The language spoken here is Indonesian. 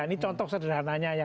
ini contoh sederhananya